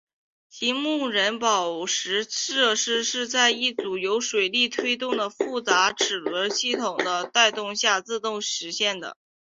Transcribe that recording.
其木人宝石设施是在一组由水力推动的复杂的齿轮系统的带动下自动实现的。